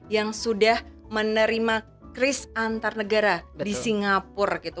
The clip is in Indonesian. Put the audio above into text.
yang sudah menerima kris antar negara di singapura gitu